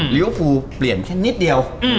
เรครูเปลี่ยนแค่นิดเดียว